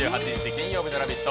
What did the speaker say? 金曜日の「ラヴィット！」